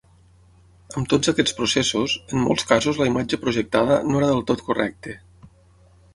Amb tots aquests processos, en molts casos la imatge projectada no era del tot correcte.